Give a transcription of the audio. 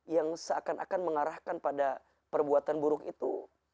yang seakan akan mengarahkan pada perbuatan buruk itu